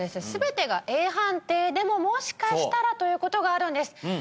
全てがＡ判定でももしかしたらということがあるんです